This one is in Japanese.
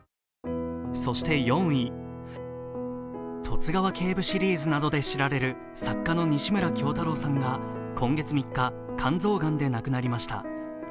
そして４位、「十津川警部」シリーズなどで知られる作家の西村京太郎さんが今月３日、肝臓がんで亡くなりました。